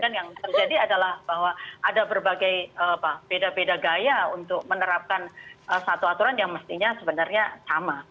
dan yang terjadi adalah bahwa ada berbagai beda beda gaya untuk menerapkan satu aturan yang mestinya sebenarnya sama